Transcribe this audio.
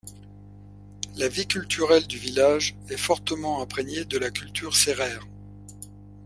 La vie culturelle du village est fortement imprégnée de la culture sérère.